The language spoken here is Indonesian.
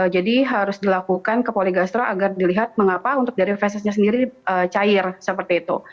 jadi harus dilakukan ke poligastro agar dilihat mengapa untuk dari fesisnya sendiri cair seperti itu